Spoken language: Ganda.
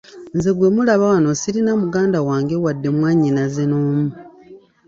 Nze gwe mulaba wano sirina muganda wange wadde mwannyinaze n’omu.